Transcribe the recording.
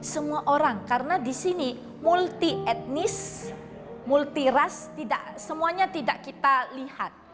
semua orang karena di sini multi etnis multiras tidak semuanya tidak kita lihat